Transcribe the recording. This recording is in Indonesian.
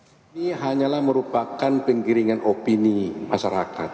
ini hanyalah merupakan penggiringan opini masyarakat